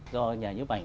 do nhà nhiếp ảnh